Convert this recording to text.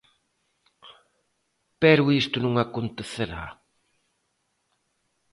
Pero isto non acontecerá.